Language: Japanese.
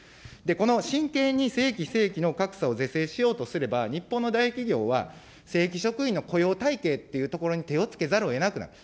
この真剣に正規、非正規の格差を是正しようとすれば、日本の大企業は、正規職員の雇用体系というところに手をつけざるをえなくなる。